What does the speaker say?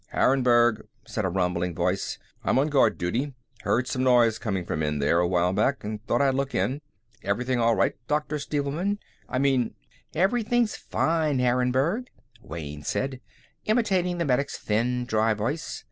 "Harrenburg," said a rumbling voice. "I'm on guard duty. Heard some noise coming from in there a while back, and thought I'd look in. Everything all right, Dr. Stevelman? I mean " "Everything's fine, Harrenburg," Wayne said, imitating the medic's thin, dry voice.